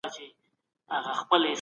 انسانان کله کله د دين په لاره خنډ جوړوي.